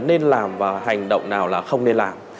hành động nào là nên làm và hành động nào là không nên làm